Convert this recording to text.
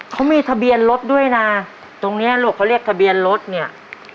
เขามีทะเบียนรถด้วยนะตรงเนี้ยลูกเขาเรียกทะเบียนรถเนี่ย